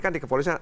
kan di kepolisian